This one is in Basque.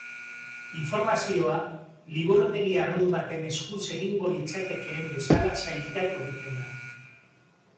Informazioa, liburutegi arrunt batean eskuz egingo litzatekeen bezala sailkatu egiten da.